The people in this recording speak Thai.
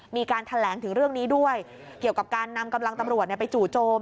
มีการแถลงถึงเรื่องนี้ด้วยเกี่ยวกับการนำกำลังตำรวจไปจู่โจม